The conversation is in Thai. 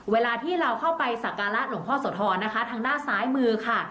เวลาที่เราเข้าไปสักการะหลวงพ่อโสธรนะคะทางด้านซ้ายมือค่ะ